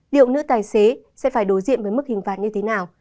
liệu nữ tài xế sẽ phải đối diện với mức hình phạt như thế nào